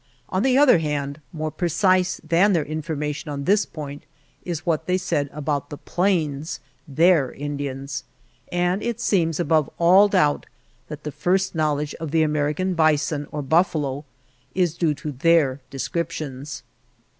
On the other hand, more precise than their information on this point is what they said about the plains, their Indians; and it seems above all doubt that the first knowledge of the American Bison, or Buf falo, is due to their descriptions.